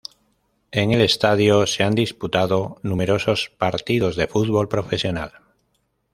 En el estadio se han disputado numerosos partidos de fútbol profesional.